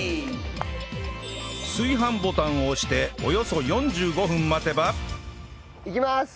炊飯ボタンを押しておよそ４５分待てばいきます。